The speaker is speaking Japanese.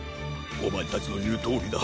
おまえたちのいうとおりだ。